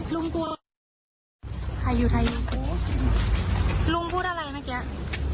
ลุงกลัวเหรอ